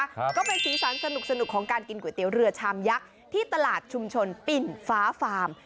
ก็เป็นสีสันสนุกของการกินก๋วยเตี๋ยวเรือชามยักษ์ที่ตลาดชุมชนปิ่นฟ้าฟาร์ม